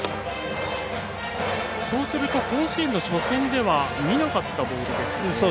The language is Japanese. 甲子園の初戦では見なかったボールですね。